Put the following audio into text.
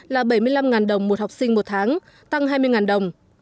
là bảy mươi năm đồng một học sinh một tháng tăng hai mươi đồng